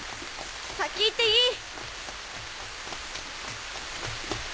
先行っていい！